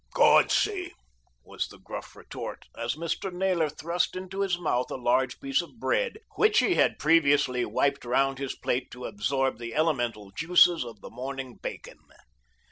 "Go and see," was the gruff retort, as Mr. Naylor thrust into his mouth a large piece of bread, which he had previously wiped round his plate to absorb the elemental juices of the morning bacon.